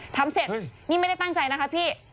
ทำเสร็จนี่ไม่ได้ตั้งใจนะคะพี่